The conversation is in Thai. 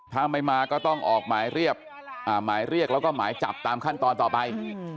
ถ้าไม่มาก็ต้องออกหมายเรียกหมายเรียกแล้วก็หมายจับตามขั้นตอนต่อไป